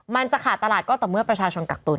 มันจะขาดตลาดก็ต่อเมื่อประชาชนกักตุน